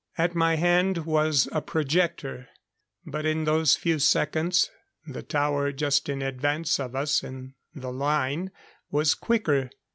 At my hand was a projector; but in those few seconds the tower just in advance of us in the line was quicker.